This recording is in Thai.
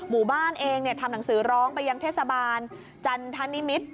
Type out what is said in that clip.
หมู่บ้านเองทำหนังสือร้องไปยังเทศบาลจันทนิมิตร